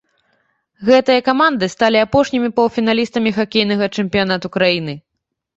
Гэтыя каманды сталі апошнімі паўфіналістамі хакейнага чэмпіянату краіны.